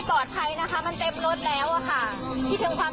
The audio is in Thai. ก็ของทามันบอร์ที่บอกกฎสนทรง